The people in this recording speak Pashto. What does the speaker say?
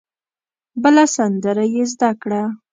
بله سندره یې زده کړه.